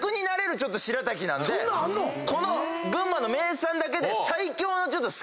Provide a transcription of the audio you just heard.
この群馬の名産だけで。